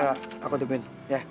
gak gak aku nungguin